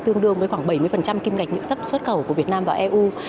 tương đương với khoảng bảy mươi kim ngạch nhựa sấp xuất khẩu của việt nam vào eu